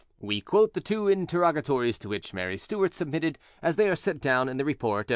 We quote the two interrogatories to which Mary Stuart submitted as they are set down in the report of M.